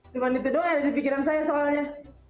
cuman itu doang yang ada di pikiran saya soalnya